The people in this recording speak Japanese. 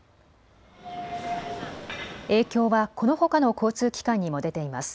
影響はこのほかの交通機関にも出ています。